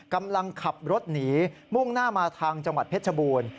กำลังขับรถหนีมุ่งหน้ามาทางจังหวัดเพชรบูรณ์